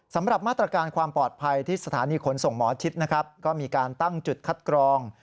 สำหรับมาตรการความปลอดภัยที่สถานีขนส่งหมอชิดนะครับก็มีการตั้งจุดคัดกรอง